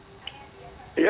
ya silahkan saja